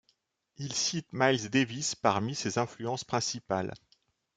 Il cite Miles Davis parmi ses influences principales.